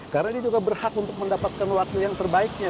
karena dia juga berhak untuk mendapatkan waktu yang terbaiknya